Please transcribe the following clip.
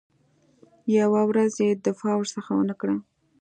یوه ورځ یې دفاع ورڅخه ونه کړه.